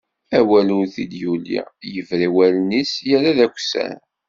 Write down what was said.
Awal ur t-id-yuli, yebra i wallen-is, yerra d akessar.